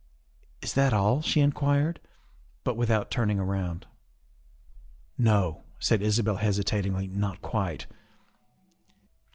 ' Is that all?" she inquired, but without turning around. " No," said Isabel hesitatingly, " not quite.